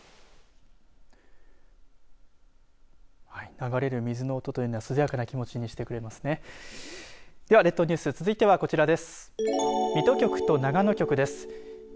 流れる水の音というのは涼やかな気持ちにしてくれますね。